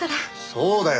そうだよ！